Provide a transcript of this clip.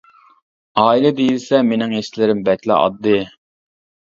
ئائىلە دېيىلسە، مېنىڭ ھېسلىرىم بەكلا ئاددىي.